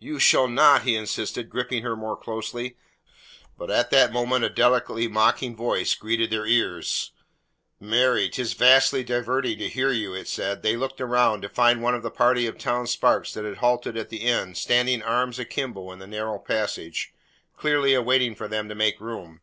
"You shall not," he insisted, gripping her more closely. But at that moment a delicately mocking voice greeted their ears. "Marry, 'tis vastly diverting to hear you," it said. They looked round, to find one of the party of town sparks that had halted at the inn standing arms akimbo in the narrow passage, clearly waiting for them to make room.